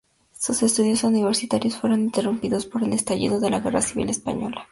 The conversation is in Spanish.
Sus estudios universitarios fueron interrumpidos por el estallido de la Guerra Civil Española.